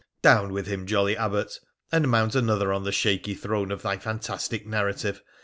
' Down with him, jolly Abbot ! And mount another on the shaky throne of thy fantastic narrative.